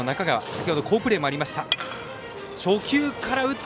先ほど好プレーもありました。